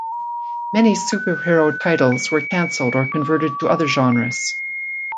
Many superhero titles were cancelled or converted to other genres.